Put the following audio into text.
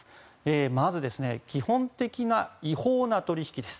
まず、基本的な違法な取引です。